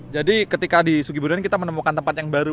jadi ketika di sugi bornean ini kita menemukan tempat yang baru